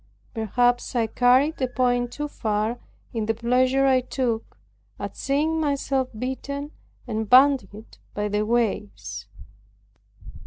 Perhaps I carried the point too far in the pleasure I took, at seeing myself beaten and bandied by the waters.